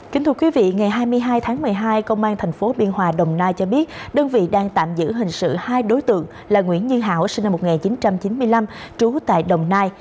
kính thưa quý vị ngày hai mươi hai tháng một mươi hai công an tp biên hòa đồng nai cho biết đơn vị đang tạm giữ hình sự hai đối tượng là nguyễn như hảo sinh năm một nghìn chín trăm chín mươi năm trú tại đồng nai